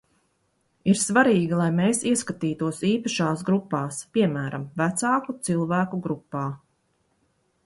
Ir svarīgi, lai mēs ieskatītos īpašās grupās, piemēram, vecāku cilvēku grupā.